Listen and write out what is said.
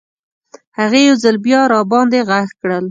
هغې یو ځل بیا راباندې غږ کړل.